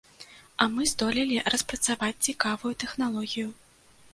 А мы здолелі распрацаваць цікавую тэхналогію.